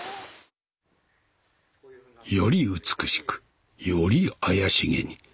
より美しくより妖しげに。